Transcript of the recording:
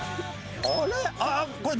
あれ？